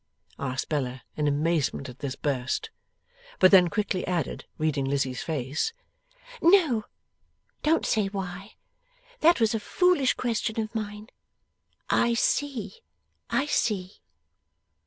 asked Bella, in amazement at this burst. But then quickly added, reading Lizzie's face: 'No. Don't say why. That was a foolish question of mine. I see, I see.